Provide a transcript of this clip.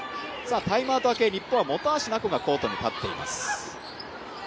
タイムアウト明け、日本は本橋菜子がコートに立っています。